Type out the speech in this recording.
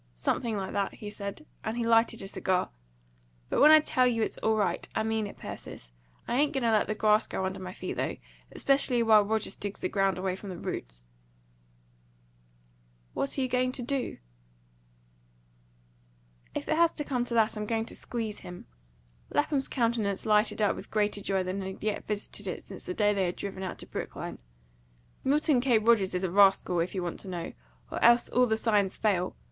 "Something like that," he said, and he lighted a cigar. "But when I tell you it's all right, I mean it, Persis. I ain't going to let the grass grow under my feet, though, especially while Rogers digs the ground away from the roots." "What are you going to do?" "If it has to come to that, I'm going to squeeze him." Lapham's countenance lighted up with greater joy than had yet visited it since the day they had driven out to Brookline. "Milton K. Rogers is a rascal, if you want to know; or else all the signs fail.